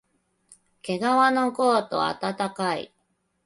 けがわのコート、あたたかい